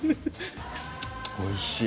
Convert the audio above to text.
おいしい。